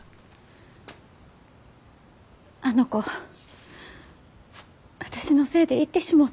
あの子私のせいで行ってしもうた。